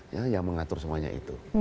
kita mengatur semuanya itu